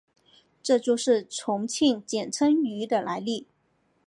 这就是重庆简称渝的来历。